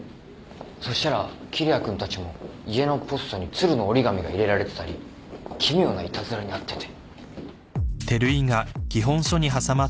そうしたら桐矢君たちも家のポストに鶴の折り紙が入れられてたり奇妙ないたずらに遭ってて。